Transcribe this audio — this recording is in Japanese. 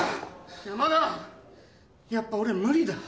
山田やっぱ俺無理だ。